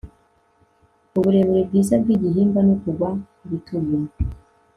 Uburebure bwiza bwigihimba no kugwa ku bitugu